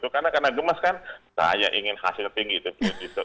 karena gemes kan saya ingin hasilnya tinggi itu disebut ternyata